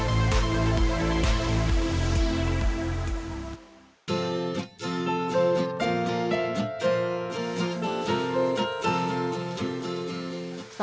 dan komitmen sejumlah warga wonosalam